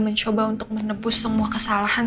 mencoba untuk menebus semua kesalahan